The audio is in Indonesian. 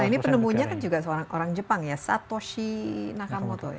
nah ini penemunya kan juga seorang orang jepang ya satoshi nakamoto ya